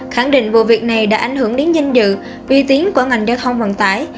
khẳng định vụ việc này đã ảnh hưởng đến danh dự vi tiến của ngành giao thông vận tải